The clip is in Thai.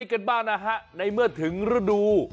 กันบ้างนะฮะในเมื่อถึงฤดู